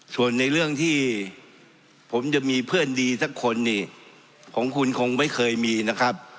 ส่วนในเรื่องที่ผมจะมีเพื่อนดีสักคนนี่ของคุณคงไม่เคยมีนะครับ